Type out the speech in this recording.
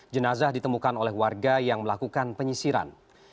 jenazah ditemukan oleh warga yang melakukan penyisiran